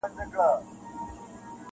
ډېر نا اهله بد کرداره او بد خوی ؤ,